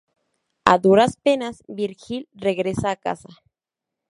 A duras penas, Virgil regresa a casa.